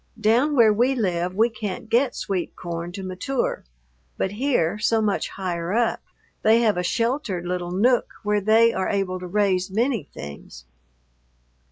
Down where we live we can't get sweet corn to mature, but here, so much higher up, they have a sheltered little nook where they are able to raise many things.